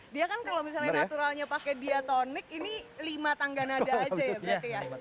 dia kan kalau misalnya naturalnya pakai diatonik ini lima tangga nada aja ya berarti ya